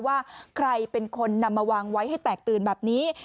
ว่าใครเป็นคนนำมาวางไว้ให้แตกตื่นแบบนี้